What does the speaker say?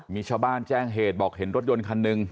มีชาวบ้านแจ้งเหตุบอกเห็นรถยนต์คันหนึ่ง